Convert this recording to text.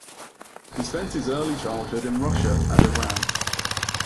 He spent his early childhood in Russia and Iran.